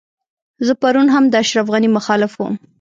زه پرون هم د اشرف غني مخالف وم.